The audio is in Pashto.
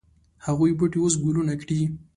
هغه بوټی اوس ګلونه کړي